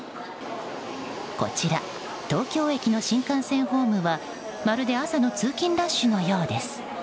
こちら、東京駅の新幹線ホームはまるで朝の通勤ラッシュのようです。